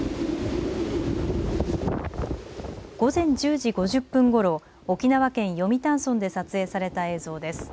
午前１０時５０分ごろ沖縄県読谷村で撮影された映像です。